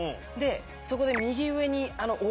そこで右上に。